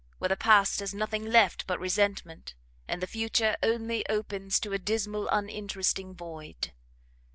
where the past has left nothing but resentment, and the future opens only to a dismal, uninteresting void?